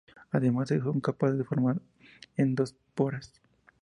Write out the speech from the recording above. Además son capaces de formar endosporas.